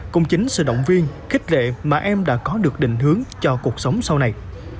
cùng chính sự động viên khích lệ mà em đã có được định hướng cho cuộc sống sau này